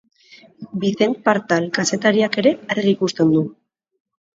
Vicent Partal kazetariak ere argi ikusten du.